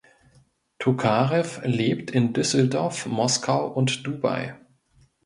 Tokarew lebt in Düsseldorf, Moskau und Dubai.